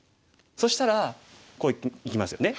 そしたらこういきますよね。